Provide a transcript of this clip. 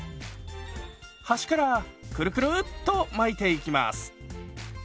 端からクルクルッと巻いていきます。